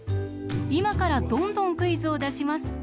いまからどんどんクイズをだします。